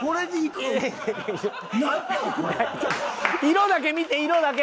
色だけ見て色だけ。